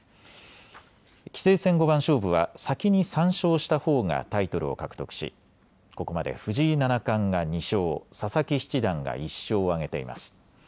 棋聖戦五番勝負は先に３勝したほうがタイトルを獲得しここまで藤井七冠が２勝、佐々木七段が１勝を挙げています。